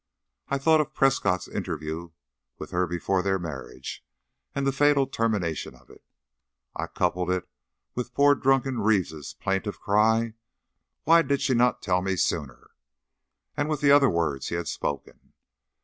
I thought of Prescott's interview with her before their marriage, and the fatal termination of it. I coupled it with poor drunken Reeves' plaintive cry, "Why did she not tell me sooner?" and with the other words he had spoken.